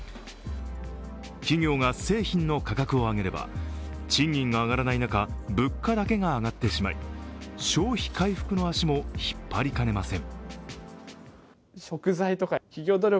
企業が製品の価格を上げれば賃金が上がらない中、物価だけが上がってしまい、消費回復の足も引っ張りかねません。